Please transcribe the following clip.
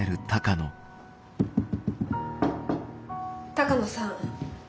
・鷹野さん。